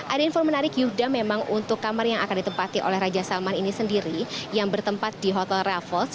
ada info menarik yuda memang untuk kamar yang akan ditempati oleh raja salman ini sendiri yang bertempat di hotel raffles